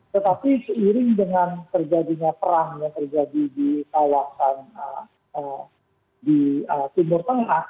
tetapi seiring dengan terjadinya perang yang terjadi di kawasan di timur tengah